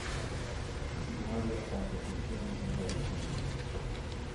No había "competiciones entre vecinos".